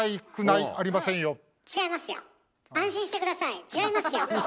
違いますよ！